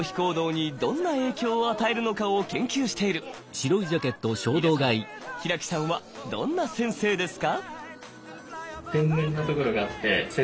皆さん平木さんはどんな先生ですか？